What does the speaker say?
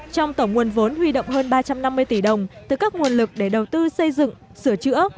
trong tổng nguồn vốn huy động hơn ba trăm năm mươi tỷ đồng từ các nguồn lực để đầu tư xây dựng sửa chữa